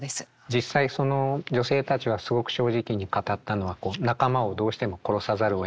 実際その女性たちがすごく正直に語ったのは仲間をどうしても殺さざるをえなかったこと。